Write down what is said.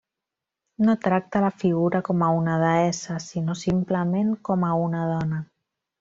No tracta la figura com a una deessa sinó, simplement, com a una dona.